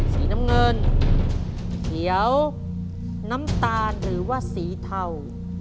สีน้ำเงินเขียวน้ำตาลหรือว่าสีเทา